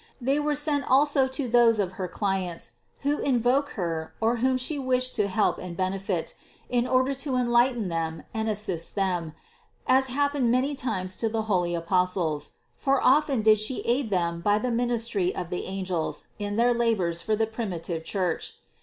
They were sent also to those of her clients, who invoked Her or whom She wished to help and benefit, in order to enlighten them and assist them, as happened many times to the holy Apostles ; for often did She aid them by the ministry of angels in their 21 298 CITY OF GOD labors for the primitive Church.